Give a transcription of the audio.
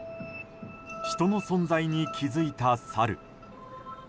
人の存在に気づいたサル。